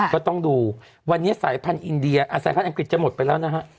ก็ต้องดูวันนี้สายพันธุ์อังกฤษจะหมดไปแล้วนะฮะ